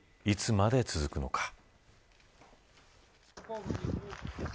いつまで続くのか。